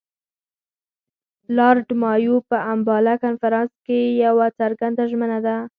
لارډ مایو په امباله کنفرانس کې یوه څرګنده ژمنه وکړه.